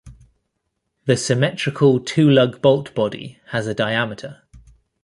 The symmetrical two-lug bolt body has a diameter.